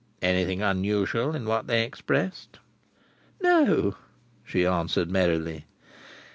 "Anything unusual in what they expressed?" "No!" she answered merrily.